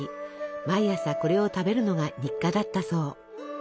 毎朝これを食べるのが日課だったそう。